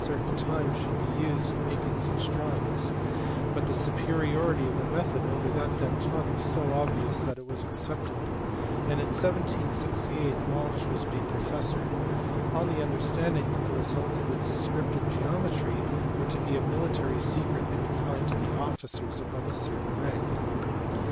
certain time should be used in making such drawings, but the superiority of the method over that then taught was so obvious that it was accepted; and in 1768 Monge was made professor, on the understanding that the results of his descrip tive geometry were to be a military secret confined to officers above a certain rank.